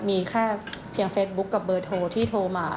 มีแค่เพียงเฟซบุ๊คกับเบอร์โทรที่โทรมา